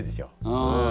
うん。